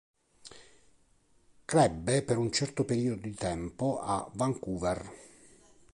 Crebbe per un certo periodo di tempo a Vancouver.